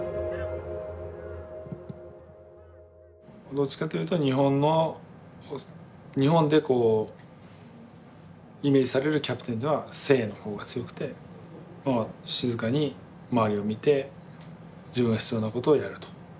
どっちかというと日本の日本でこうイメージされるキャプテンというのは「静」の方が強くて静かに周りを見て自分が必要なことをやると。